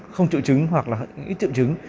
không triệu chứng hoặc ít triệu chứng